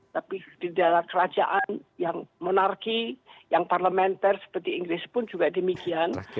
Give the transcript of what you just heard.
tapi di dalam kerajaan yang monarki yang parlementer seperti inggris pun juga demikian